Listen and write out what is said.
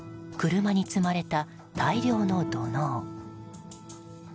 車に積まれた大量の土のう。